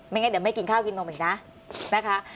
งั้นเดี๋ยวไม่กินข้าวกินนมอีกนะนะคะ